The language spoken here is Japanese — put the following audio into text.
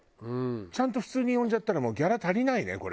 ちゃんと普通に呼んじゃったらもうギャラ足りないねこれ。